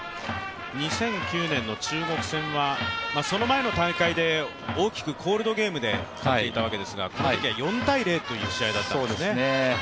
２００９年の中国戦はその前の大会で大きくコールドゲームで勝っていたわけですが、このときは４−０という試合だったんですね。